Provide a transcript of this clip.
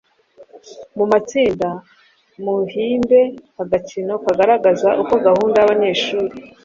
Mu matsinda muhimbe agakino kagaragaza uko gahunda y’abanyeshuri